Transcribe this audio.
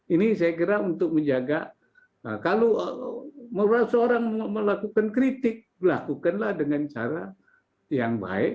ini saya kira untuk menjaga kalau seorang melakukan kritik lakukanlah dengan cara yang baik